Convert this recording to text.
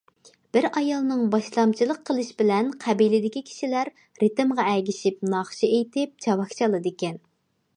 بىر ئايالنىڭ باشلامچىلىق قىلىش بىلەن قەبىلىدىكى كىشىلەر رىتىمغا ئەگىشىپ ناخشا ئېيتىپ چاۋاك چالىدىكەن.